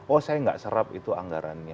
oh saya enggak serap itu anggaran